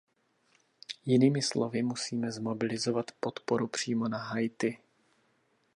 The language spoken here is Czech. Jinými slovy musíme zmobilizovat podporu přímo na Haiti.